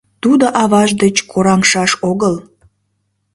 Тудо аваж деч кораҥшаш огыл.